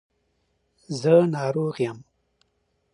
زه ناروغ یم